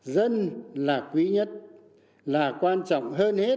dân là quý nhất là quan trọng hơn hết